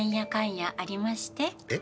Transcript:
えっ？